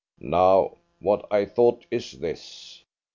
Now, what I thought is this.